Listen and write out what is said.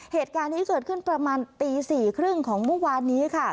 เหตุการณ์นี้เกิดขึ้นประมาณตี๔๓๐ของเมื่อวานนี้ค่ะ